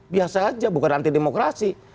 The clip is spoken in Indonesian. biasa aja bukan anti demokrasi